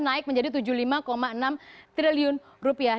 naik menjadi tujuh puluh lima enam triliun rupiah